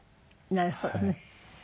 なるほどね。